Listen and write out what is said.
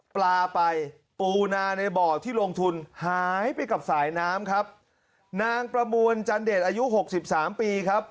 ปลาไปปูนาในบ่อที่ลงทุนหายไปกับสายน้ำครับนางประมวลจันเดชอายุหกสิบสามปีครับ